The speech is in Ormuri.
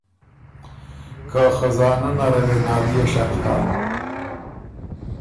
که خزانۀ نره وې ناليې شخ هۀ۔